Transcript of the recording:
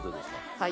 はい。